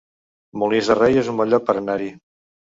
Molins de Rei es un bon lloc per anar-hi